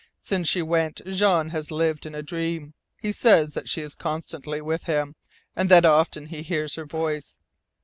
Since she went Jean has lived in a dream. He says that she is constantly with him, and that often he hears her voice.